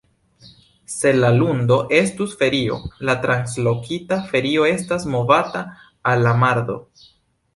Se la lundo estus ferio, la translokita ferio estas movata al la mardo.